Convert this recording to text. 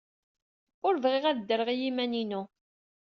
Ur bɣiɣ ad ddreɣ i yiman-inu.